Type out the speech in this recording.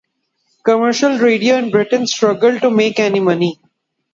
Commercial radio in Britain struggled to make any money.